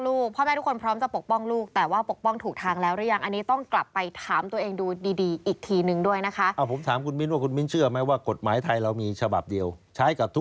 เดี๋ยวเราตอบกันหลังไมค์ได้ไหมคะ